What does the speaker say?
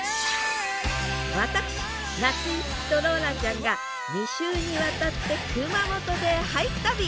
私夏井いつきとローランちゃんが２週にわたって熊本で俳句旅。